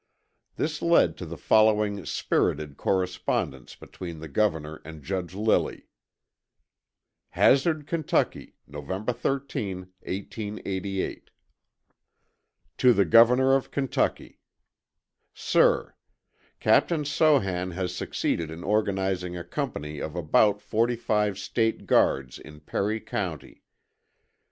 This led to the following spirited correspondence between the Governor and Judge Lilly: Hazard, Ky., Nov. 13, 1888. To the Governor of Kentucky: Sir: Captain Sohan has succeeded in organizing a company of about 45 State Guards in Perry County.